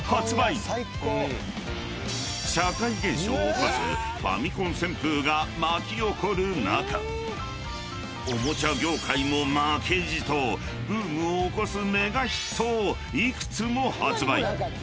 ［社会現象を起こすファミコン旋風が巻き起こる中おもちゃ業界も負けじとブームを起こすメガヒットを幾つも発売］